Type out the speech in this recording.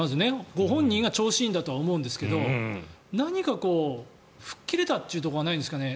ご本人が調子いいんだと思いますが何か吹っ切れたところはないんですかね。